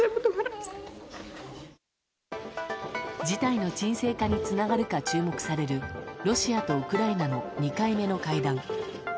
事態の鎮静化につながるか注目されるロシアとウクライナの２回目の会談。